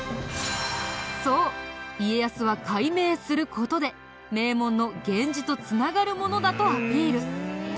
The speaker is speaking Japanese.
そう家康は改名する事で名門の源氏と繋がる者だとアピール。